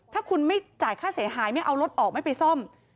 ถ้าคุณไม่จ่ายค่าเสียหายไม่เอารถออกไม่ไปซ่อม